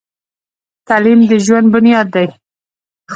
تعلیم د ژوند بنیاد دی.